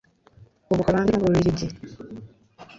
Ubuholandi n’Ububiligi